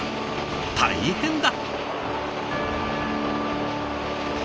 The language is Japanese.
大変だ！